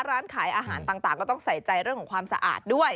ร้านขายอาหารต่างก็ต้องใส่ใจเรื่องของความสะอาดด้วย